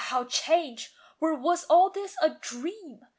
how changed! Or was all this a dream?